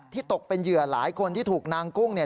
ตกเป็นเหยื่อหลายคนที่ถูกนางกุ้งเนี่ย